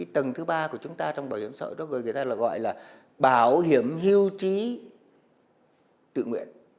tầng thứ ba của chúng ta trong bảo hiểm xã hội người ta gọi là bảo hiểm hưu trí tự nguyện